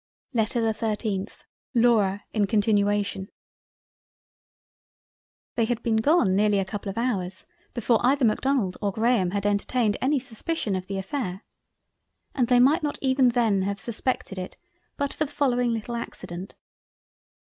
LETTER the 13th LAURA in continuation They had been gone nearly a couple of Hours, before either Macdonald or Graham had entertained any suspicion of the affair. And they might not even then have suspected it, but for the following little Accident.